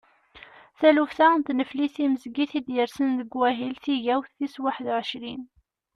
Taluft-a n tneflit timezgit i d-yersen deg wahil tigawt tis waḥedd u ɛecrin.